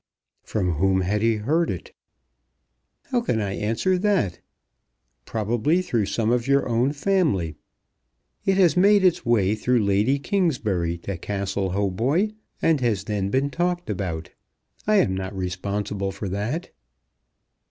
"From whom had he heard it?" "How can I answer that? Probably through some of your own family. It has made its way through Lady Kingsbury to Castle Hautboy, and has then been talked about. I am not responsible for that."